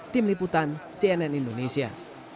tim liputan cnn indonesia